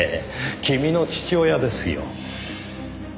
君の父親ですよ。